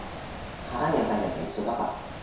腹に入れば一緒だから。